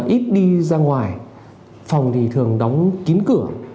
ít đi ra ngoài phòng thường đóng kín cửa